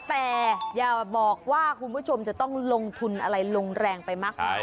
แต่อย่าบอกว่าคุณผู้ชมจะต้องลงทุนอะไรลงแรงไปมากมาย